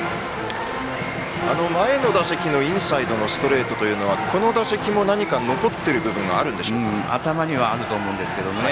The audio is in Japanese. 前の打席のインサイドのストレートというのはこの打席も、何か残っている部分は頭にはあると思うんですけどね。